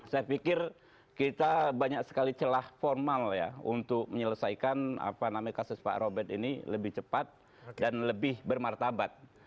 saya pikir kita banyak sekali celah formal ya untuk menyelesaikan kasus pak robert ini lebih cepat dan lebih bermartabat